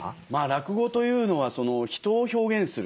落語というのは人を表現する。